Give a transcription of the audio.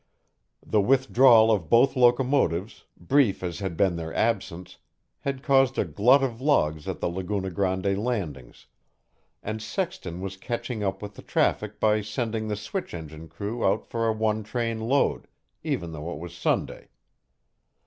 The withdrawal of both locomotives, brief as had been their absence, had caused a glut of logs at the Laguna Grande landings, and Sexton was catching up with the traffic by sending the switch engine crew out for one train load, even though it was Sunday.